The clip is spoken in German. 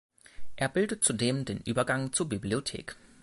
Er bildet zudem den Übergang zur Bibliothek.